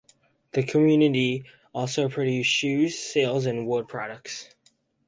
The community also produced shoes, sails and wood products.